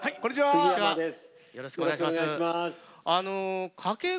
よろしくお願いします。